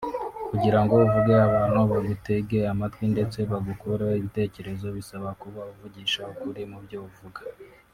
Kugirango uvuge abantu bagutege amatwi ndetse bagukureho ibitekerezo bisaba kuba uvugisha ukuri mubyo uvuga